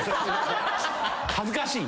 恥ずかしい。